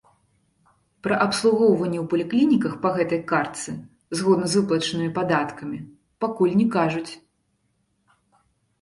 Пра абслугоўванне ў паліклініках па гэтай картцы згодна з выплачанымі падаткамі пакуль не кажуць.